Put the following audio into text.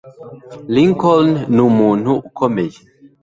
Lincoln numuntu ukomeye